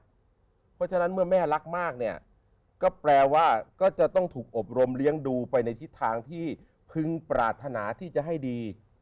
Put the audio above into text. เพราะฉะนั้นเมื่อแม่รักมากเนี่ยก็แปลว่าก็จะต้องถูกอบรมเลี้ยงดูไปในทิศทางที่พึงปรารถนาที่จะให้ดี